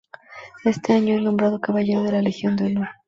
Ese año es nombrado Caballero de la Legión de Honor.